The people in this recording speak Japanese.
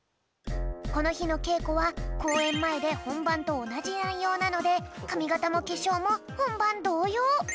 このひのけいこはこうえんまえでほんばんとおなじないようなのでかみがたもけしょうもほんばんどうよう！